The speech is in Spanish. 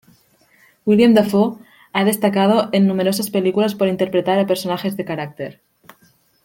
Willem Dafoe ha destacado en numerosas películas por interpretar a personajes de carácter.